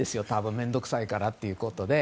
面倒くさいからということで。